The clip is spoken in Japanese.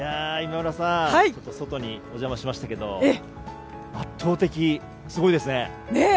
今村さん外にお邪魔しましたけども圧倒的、すごいですね。